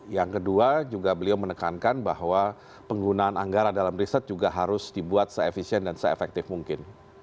dan kedua juga beliau menekankan bahwa penggunaan anggaran dalam riset juga harus dibuat se efisien dan se efektif mungkin